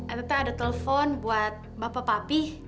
atta ada telepon buat bapak papi